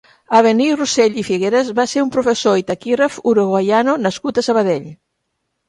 Avenir Rosell i Figueras va ser un professor i taquígraf uruguaiano nascut a Sabadell.